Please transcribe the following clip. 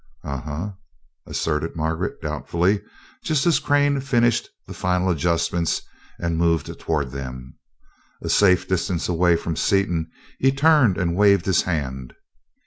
"Uh huh," assented Margaret, doubtfully, just as Crane finished the final adjustments and moved toward them. A safe distance away from Seaton, he turned and waved his hand.